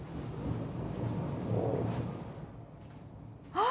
あ！